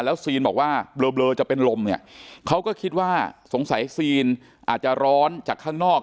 ซีนบอกว่าเบลอจะเป็นลมเนี่ยเขาก็คิดว่าสงสัยซีนอาจจะร้อนจากข้างนอก